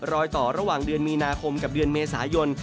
รอยต่อระหว่างเดือนมีนาคมกับเดือนเมษายน